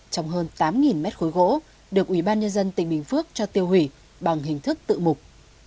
trong hơn tám mét khối gỗ được ủy ban nhân dân tỉnh bình phước cho tiêu hủy bằng hình thức tự mục